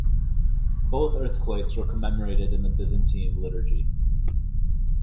Both earthquakes were commemorated in the Byzantine liturgy.